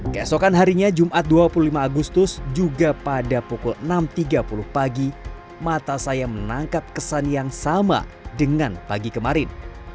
keesokan harinya jumat dua puluh lima agustus juga pada pukul enam tiga puluh pagi mata saya menangkap kesan yang sama dengan pagi kemarin